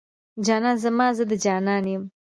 جانان زما، زه د جانان يم